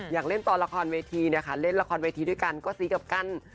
อยากเล่นตอนราคาเวทีเล่นราคาเวทีด้วยกันก็ซีกกับกัน